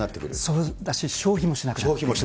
そうだし消費もしなくなってくる。